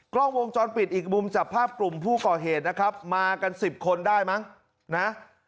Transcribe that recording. กล้องวงจรปิดอีกมุมจับภาพกลุ่มผู้ก่อเหตุนะครับมากันสิบคนได้มั้งนะ